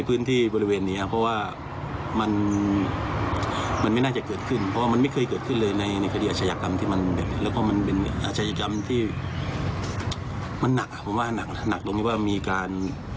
ผู้ใหญ่รู้ข่ารอมาตั้งนานแล้วไหมครับ